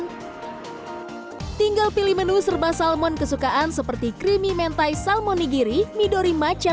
hai tinggal pilih menu serbah salmon kesukaan seperti creamy mentai salmon nigiri midori matcha